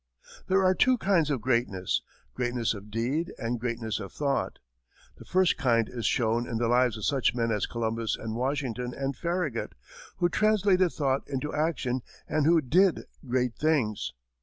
There are two kinds of greatness greatness of deed and greatness of thought. The first kind is shown in the lives of such men as Columbus and Washington and Farragut, who translated thought into action and who did great things.